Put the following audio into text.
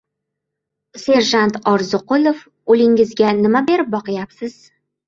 — Serjant Orziqulov, ulingizga nima berib boqyapsiz?